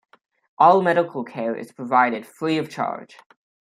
All medical care is provided free of charge.